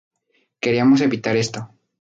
Queríamos evitar esto.